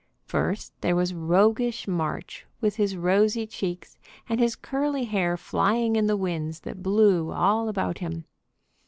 First there was roguish March with his rosy cheeks, and his curly hair flying in the winds that blew all about him.